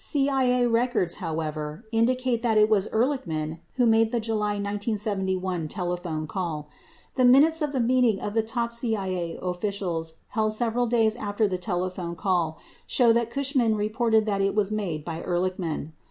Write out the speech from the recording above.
90 CIA records, however, indicate that it was Ehrlichman who made the July 1971 telephone call. The minutes of a meeting of top CIA officials held several days after the telephone call show that Cushman reported that it was made by Ehrlichman.